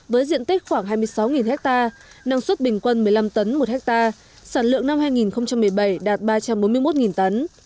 với diện tích khoảng hai mươi sáu ha năng suất bình quân một mươi năm tấn một hectare sản lượng năm hai nghìn một mươi bảy đạt ba trăm bốn mươi một tấn